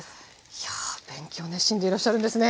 いや勉強熱心でいらっしゃるんですね。